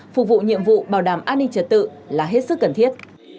phục vụ nhiệm vụ bảo đảm an ninh trật tự là hết sức cần thiết